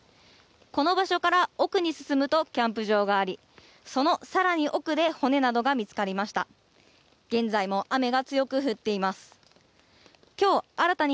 この場所から奥に進むとキャンプ場がありその更に奥で骨などが見つかりました。